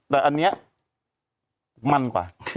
แต่อันนี้มันกว่า